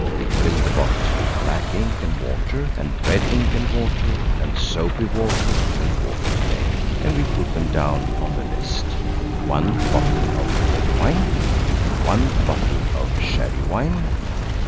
We filled the bottles with black ink and water, and red ink and water, and soapy water, and water plain. And we put them down on the list– 1 bottle of port wine. 1 bottle of sherry wine.